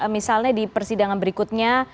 misalnya di persidangan berikutnya